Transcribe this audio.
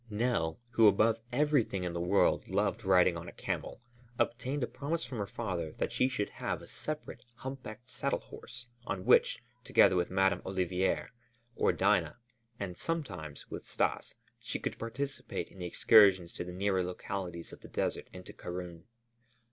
Nell, who, above everything in the world, loved riding on a camel, obtained a promise from her father that she should have a separate "hump backed saddle horse" on which, together with Madame Olivier, or Dinah, and sometimes with Stas, she could participate in the excursions to the nearer localities of the desert and to Karun.